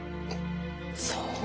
そう。